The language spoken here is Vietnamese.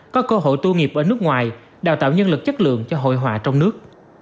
có cơ hội tu nghiệp ở nước ngoài đào tạo nhân lực chất lượng cho hội họa trong nước